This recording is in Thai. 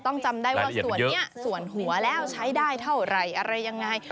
จำได้ว่าส่วนนี้ส่วนหัวแล้วใช้ได้เท่าไหร่อะไรยังไง